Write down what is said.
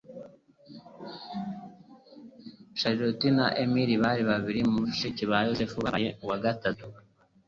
Charlotte na Emily Bari babiri Muri Bashiki ba Yozefu yabaye uwa gatatu